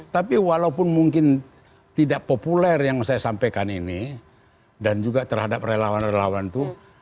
tapi walaupun mungkin tidak populer yang saya sampaikan ini dan juga terhadap relawan relawan itu